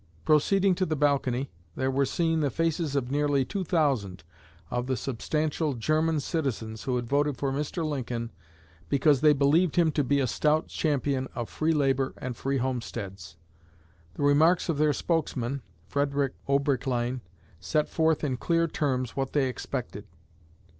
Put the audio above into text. Proceeding to the balcony, there were seen the faces of nearly two thousand of the substantial German citizens who had voted for Mr. Lincoln because they believed him to be a stout champion of free labor and free homesteads. The remarks of their spokesman, Frederick Oberkleine, set forth in clear terms what they expected.